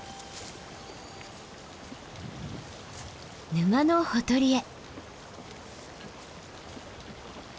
沼のほとりへ。